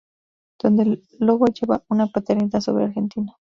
Donde el Lobo lleva una paternidad sobre Argentino